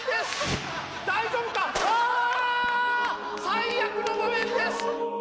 最悪の場面です！